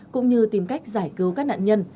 cũng như tìm cách giải cứu các nạn nhân